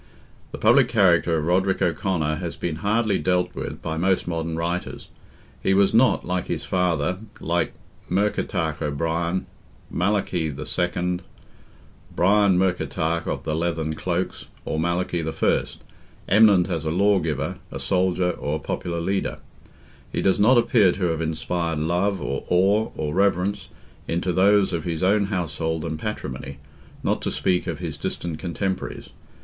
The public character of Roderick O'Conor has been hardly dealt with by most modern writers. He was not, like his father, like Murkertach O'Brien, Malachy II., Brian, Murkertach of the leathern cloaks, or Malachy I., eminent as a lawgiver, a soldier, or a popular leader. He does not appear to have inspired love, or awe, or reverence, into those of his own household and patrimony, not to speak of his distant cotemporaries.